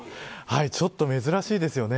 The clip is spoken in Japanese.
ちょっと珍しいですよね。